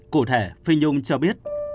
cụ thể phi nhung cho biết